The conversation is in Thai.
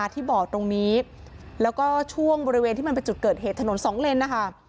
ที่มันเป็นจุดเกิดเผยถนนสองเลน